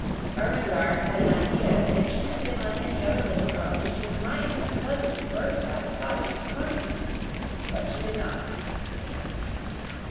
Ermengarde had an idea that if she had been like any other little girl, she might have suddenly burst out sobbing and crying. But she did not.